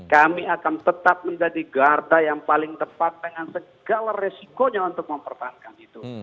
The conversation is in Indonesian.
kami akan tetap menjadi garda yang paling tepat dengan segala resikonya untuk mempertahankan itu